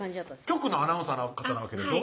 局のアナウンサーな方なわけでしょ？